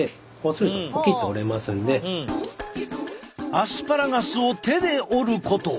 アスパラガスを手で折ること。